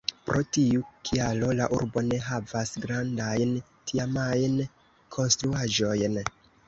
Pro tiu kialo la urbo ne havas grandajn tiamajn konstruaĵojn.